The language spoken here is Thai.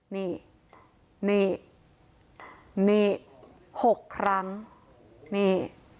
นี่นี่๖ครั้งนี่